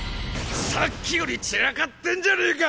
さっきより散らかってんじゃねえか！